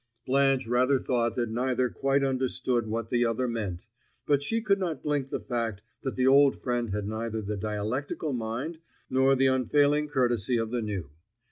Blanche rather thought that neither quite understood what the other meant; but she could not blink the fact that the old friend had neither the dialectical mind nor the unfailing courtesy of the new.